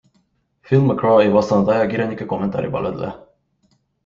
Phil McGraw ei vastanud ajakirjanike kommentaaripalvele.